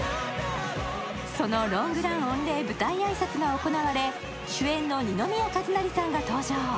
そのロングラン御礼舞台挨拶が行われ、主演の二宮和也さんが登場。